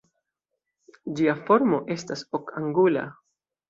Ĝia formo estas okangula.